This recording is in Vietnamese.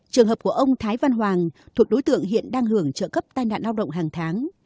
trường hợp của ông thái văn hoàng thuộc đối tượng hiện đang hưởng trợ cấp tai nạn lao động hàng tháng